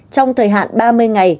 trong thời hạn ba mươi ngày